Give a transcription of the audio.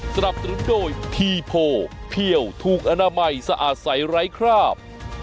สนับสนุนโดยทีโพเพี่ยวถูกอนามัยสะอาดใสไร้คราบ